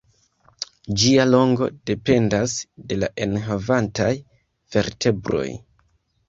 Ĝia longo dependas de la enhavantaj vertebroj.